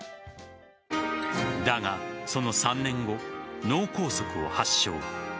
だが、その３年後脳梗塞を発症。